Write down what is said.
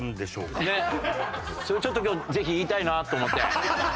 それちょっと今日ぜひ言いたいなと思って。